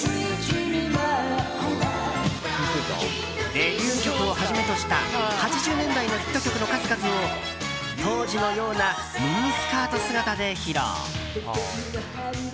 デビュー曲をはじめとした８０年代のヒット曲の数々を当時のようなミニスカート姿で披露。